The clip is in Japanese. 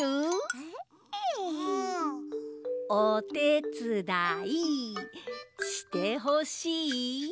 おてつだいしてほしい？